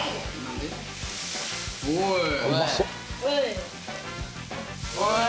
「うまそっ！」